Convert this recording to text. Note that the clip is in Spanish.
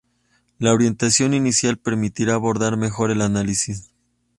La orientación inicial permitirá abordar mejor el análisis.